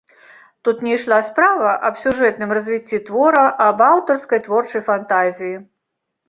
Тут не ішла справа аб сюжэтным развіцці твора, аб аўтарскай творчай фантазіі.